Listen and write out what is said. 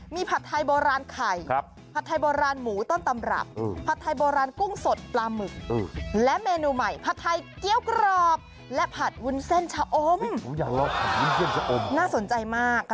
มีผัดไทยโบราณไข่ผัดไทยโบราณหมูต้นตำรับผัดไทยโบราณกุ้งสดปลาหมึกและเมนูใหม่ผัดไทยเกี้ยวกรอบและผัดวุ้นเส้นชะอมผมอยากลองผัดวุ้นเส้นชะอมน่าสนใจมาก